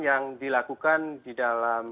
yang dilakukan di dalam